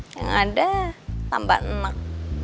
yang ada tambah emak